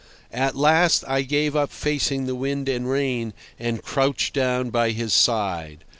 At last I gave up facing the wind and rain, and crouched down by his side.